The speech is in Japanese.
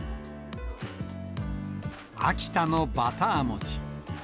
秋田のバター餅。